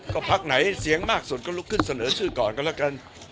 ก็พักไหนเสียงมากสุดก็ลุกขึ้นเสนอชื่อก่อนก็แล้วกัน